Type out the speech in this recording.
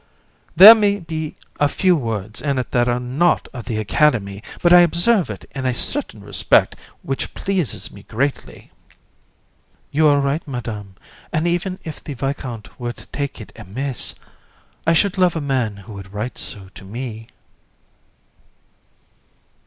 COUN. There may be a few words in it that are not of the Academy, but I observe in it a certain respect which pleases me greatly. JU. You are right, Madam, and even if the viscount were to take it amiss, I should love a man who would write so to me.